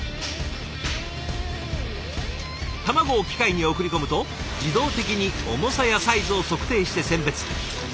卵を機械に送り込むと自動的に重さやサイズを測定して選別。